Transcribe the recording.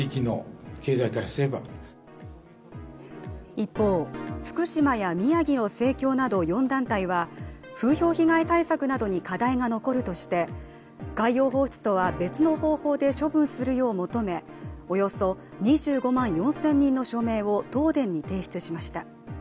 一方、福島や宮城の生協など４団体は風評被害対策などに課題が残るとして海洋放出とは別の方法で処分するよう求め、およそ２５万４０００人の署名を東電に提出しました。